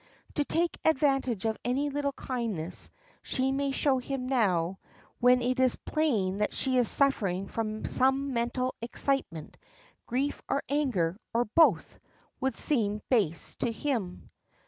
To take advantage of any little kindness she may show him now, when it is plain that she is suffering from some mental excitement, grief or anger, or both, would seem base to him.